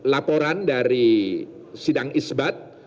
laporan dari sidang isbat